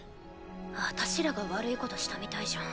私らが悪いことしたみたいじゃん。